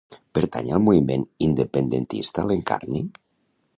Pertany al moviment independentista l'Encarni?